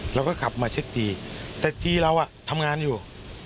เราก็ขับมาเช็คทีแต่จีเราทำงานอยู่